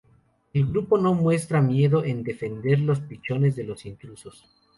El grupo no muestra miedo en defender a los pichones de los intrusos.